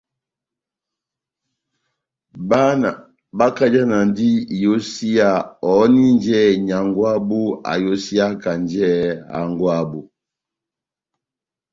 Bána bakajanandi iyosiya ohòninjɛ nyángwɛ wabu ayosiyakanjɛ hángwɛ wabu.